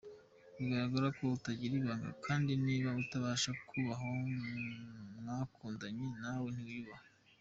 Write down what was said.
Bigaragaza ko utagira ibanga kandi niba utabasha kubaha uwo mwakundanye nawe ntiwiyubaha.